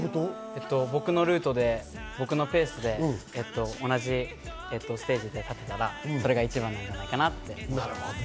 僕のルートで、僕のペースで同じステージに立てたらそれが一番なのかなって。